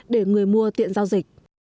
để người mua tiện giao dịch